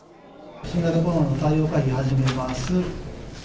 新型コロナの対応会議を始めます。